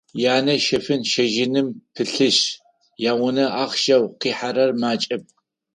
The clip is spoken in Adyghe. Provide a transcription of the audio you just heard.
Янэ щэфын-щэжьыным пылъышъ, яунэ ахъщэу къихьэрэр макӏэп.